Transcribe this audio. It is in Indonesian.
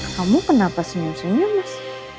kamu kenapa senyum senyum mas